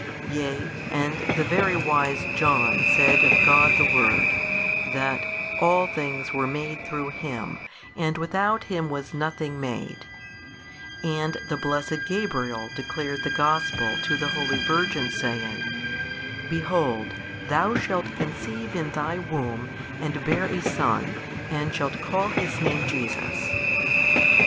Yea and the very wise John said of God the Word, that All things were made through Him, and without Him was nothing made, and the blessed Gabriel declared the Gospel to the Holy Virgin saying, Behold thou shalt conceive in thy womb and, bear a Son, and shalt call His Name Jesus.